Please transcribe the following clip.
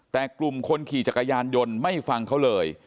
แต่กลุ่มคนขี่จักรยานยนต์ไม่ฟังเขาเลย